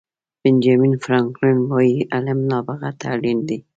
بینجامین فرانکلن وایي علم نابغه ته اړین دی.